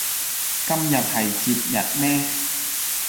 今日係節日咩